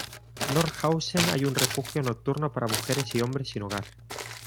Nordhausen hay un refugio nocturno para mujeres y hombres sin hogar.